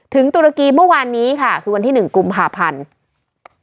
ตุรกีเมื่อวานนี้ค่ะคือวันที่๑กุมภาพันธ์